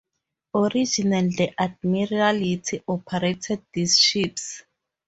Originally the Admiralty operated these ships.